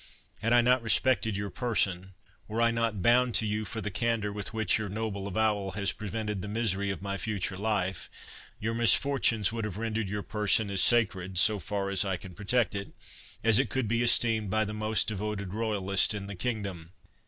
Had I not respected your person—were I not bound to you for the candour with which your noble avowal has prevented the misery of my future life, your misfortunes would have rendered your person as sacred, so far as I can protect it, as it could be esteemed by the most devoted royalist in the kingdom.